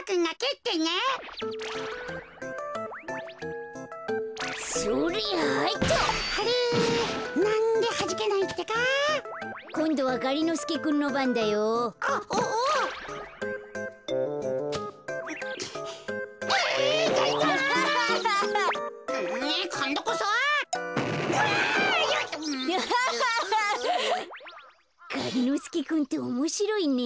がりのすけくんっておもしろいね。